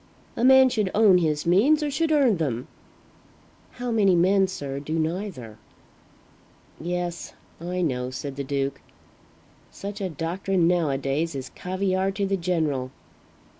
A man should own his means or should earn them." "How many men, sir, do neither?" "Yes; I know," said the Duke. "Such a doctrine nowadays is caviare to the general.